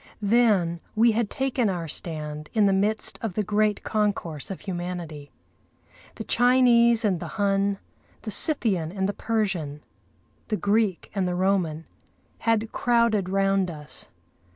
Then we had taken our stand in the midst of the great concourse of humanity. The Chinese and the Hun, the Scythian and the Persian, the Greek and the Roman, had crowded round us.